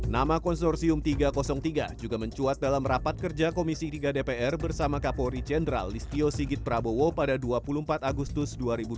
nama konsorsium tiga ratus tiga juga mencuat dalam rapat kerja komisi tiga dpr bersama kapolri jenderal listio sigit prabowo pada dua puluh empat agustus dua ribu dua puluh